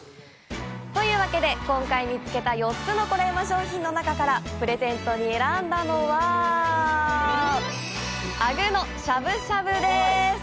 というわけで、今回見つけた４つのコレうま商品の中からプレゼントに選んだのはあぐーのしゃぶしゃぶです！